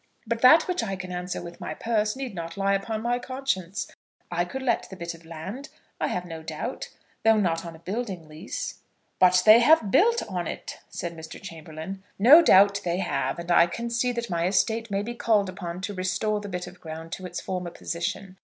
But that which I can answer with my purse, need not lie upon my conscience. I could let the bit of land, I have no doubt, though not on a building lease." "But they have built on it," said Mr. Chamberlaine. "No doubt, they have; and I can see that my estate may be called upon to restore the bit of ground to its former position.